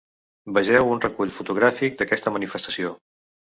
Vegeu un recull fotogràfic d’aquesta manifestació.